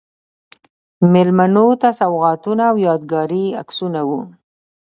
میلمنو ته سوغاتونه او یادګاري عکسونه و.